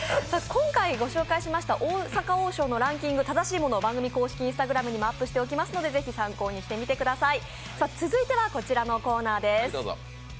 今回ご紹介しました、大阪王将のランキング正しいものを番組公式Ｉｎｓｔａｇｒａｍにもアップしておきますのでぜひ参考にしてみてください。